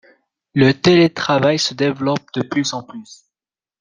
Le télétravail se développe de plus en plus.